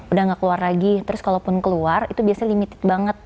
udah gak keluar lagi terus kalaupun keluar itu biasanya limited banget